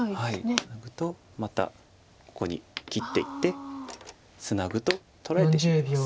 ツナぐとまたここに切っていってツナぐと取られてしまいます。